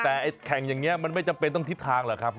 แต่แข่งอย่างนี้มันไม่จำเป็นต้องทิศทางหรอกครับ